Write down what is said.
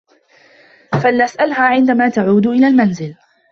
فلنسألها عندما تعود إلى المنزل.